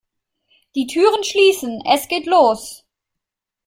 Die Türen schließen, es geht los!